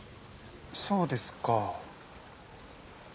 そうですか。